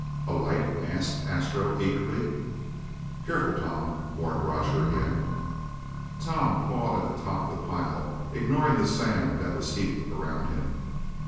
"A light?" asked Astro eagerly. "Careful, Tom," warned Roger again. Tom clawed at the top of the pile, ignoring the sand that was heaped around him.